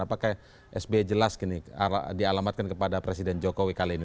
apakah sby jelas gini dialamatkan kepada presiden jokowi kali ini